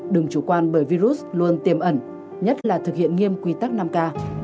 đừng chủ quan bởi virus luôn tiềm ẩn nhất là thực hiện nghiêm quy tắc năm k